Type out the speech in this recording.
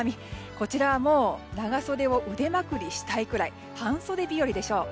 こちらはもう長袖を腕まくりしたいくらい半袖日和でしょう。